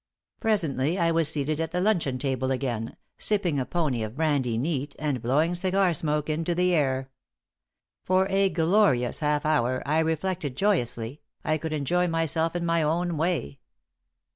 Presently I was seated at the luncheon table again, sipping a pony of brandy neat and blowing cigar smoke into the air. For a glorious half hour, I reflected joyously, I could enjoy myself in my own way.